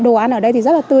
đồ ăn ở đây thì rất là tươi